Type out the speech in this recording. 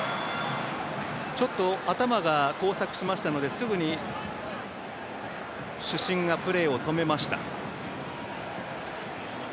ちょっと頭が交錯しましたのですぐに主審がプレーを止めました。